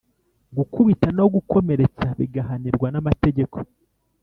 gukubita no gukomeretsa bigahanirwa nama tegeko